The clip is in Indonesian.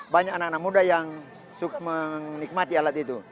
banyak anak anak muda yang suka menikmati alat itu